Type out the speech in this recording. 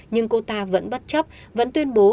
nhưng cô ta vẫn bất chấp vẫn tuyên bố